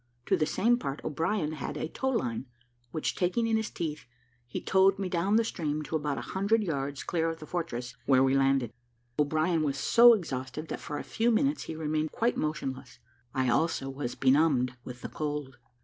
To the same part O'Brien had a tow line, which taking in his teeth, he towed me down the stream to about a hundred yards clear of the fortress, where we landed. O'Brien was so exhausted, that for a few minutes he remained quite motionless; I also was benumbed with the cold.